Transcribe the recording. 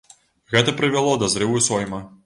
Гэта прывяло да зрыву сойма.